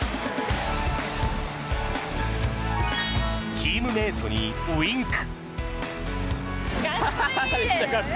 チームメートにウィンク。